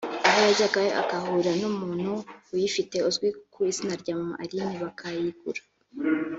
aho yajyagayo akahahurira n’umuntu uyifite uzwi ku izina rya mama Aline bakayigura